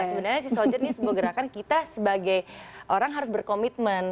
sebenarnya sea soldier ini sebuah gerakan kita sebagai orang harus berkomitmen